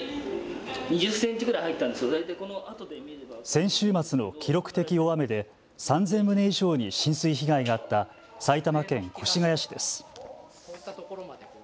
先週末の記録的大雨で３０００棟以上に浸水被害があった埼玉県越谷市です。